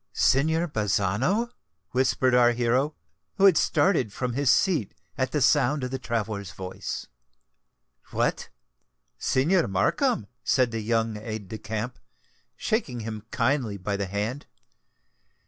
"Signor Bazzano," whispered our hero, who had started from his seat at the sound of the traveller's voice. "What! Signor Markham!" said the young aide de camp, shaking him kindly by the hand.